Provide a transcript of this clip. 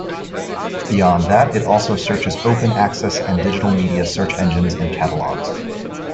Beyond that it also searches open access and digital media search engines and catalogs.